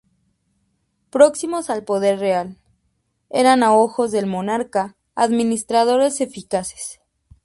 Próximos al poder real, eran a ojos del monarca administradores eficaces.